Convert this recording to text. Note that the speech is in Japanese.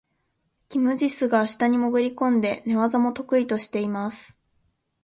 キム・ジスが下に潜り込んで、寝技も得意としています。